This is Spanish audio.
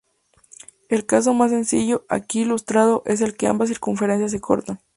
El caso más sencillo, aquí ilustrado, es el que ambas circunferencias se cortan.